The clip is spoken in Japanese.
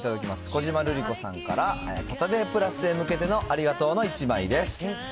小島瑠璃子さんからサタデープラスへ向けてのありがとうの１枚です。